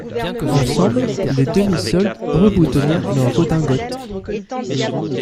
Ensemble, les demi-soldes reboutonnèrent leurs redingotes.